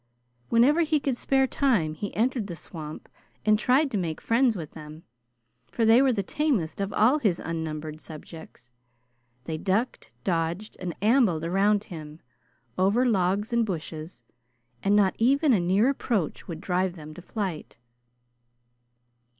Whenever he could spare time, he entered the swamp and tried to make friends with them, for they were the tamest of all his unnumbered subjects. They ducked, dodged, and ambled around him, over logs and bushes, and not even a near approach would drive them to flight.